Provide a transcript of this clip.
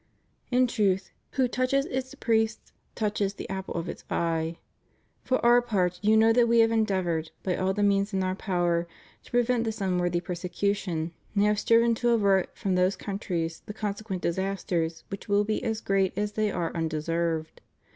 In truth, who touches its priests touches the apple of its eye. For Our part, you know that We have endeavored, by all the means in Our power, to prevent this unworthy persecution, and have striven to avert from those countries the consequent disasters which will be as great as they are undeserved.